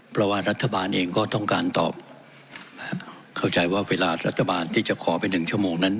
เพราะว่ารัฐบาลเองก็ต้องการตอบเข้าใจว่าเวลารัฐบาลที่จะขอไป๑ชั่วโมงนั้น